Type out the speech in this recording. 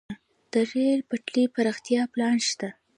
د ریل پټلۍ پراختیا پلان شته